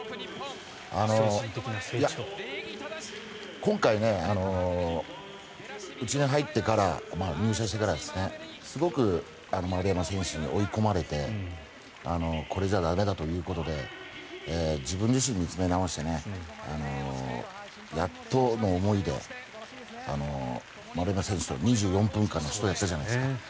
今回、うちに入ってから入社してからすごく丸山選手に追い込まれてこれじゃ駄目だということで自分自身、見つめ直してやっとの思いで丸山選手と２４分間の死闘をやったじゃないですか。